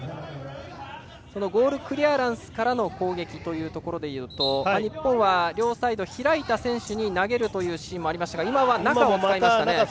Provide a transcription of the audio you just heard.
ゴールクリアランスからの攻撃というところでいうと日本は両サイド開いた選手に投げるシーンもありましたが今もまた中を使いましたね。